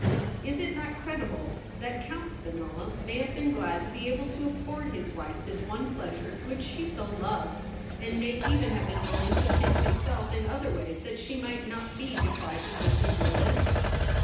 Is it not credible that Count Spinola may have been glad to be able to afford his wife this one pleasure which she so loved, and may even have been willing to pinch himself in other ways that she might not be deprived of this enjoyment